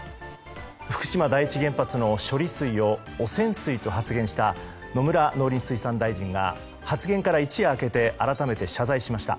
福島第一原発の処理水を汚染水と発言した野村農林水産大臣が発言から一夜あけ改めて謝罪しました。